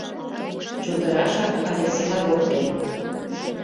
— Чодырашак але села воктен?